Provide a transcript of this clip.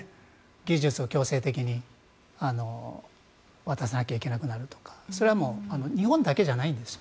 技術を強制的に渡さなきゃいけなくなるとかそれは日本だけじゃないんです。